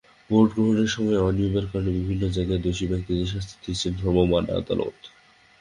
Vote গ্রহণের সময় অনিয়মের কারণে বিভিন্ন জায়গায় দোষী ব্যক্তিদের শাস্তি দিয়েছেন ভ্রাম্যমাণ আদালত।